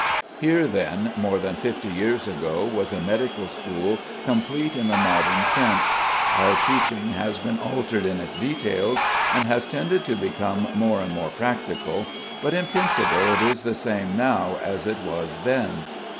Here, then, more than fifty years ago, was a medical school complete in the modern sense. Our teaching has been altered in its details, and has tended to become more and more practical, but in principle it is the same now as it was then.